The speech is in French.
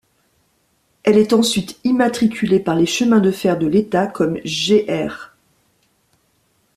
Elle est ensuite immatriculée par les Chemins de fer de l'État comme Gr.